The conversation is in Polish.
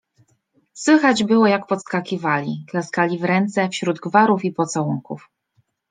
Słychać było, jak podskakiwali, klaskali w ręce, wśród gwarów i pocałunków.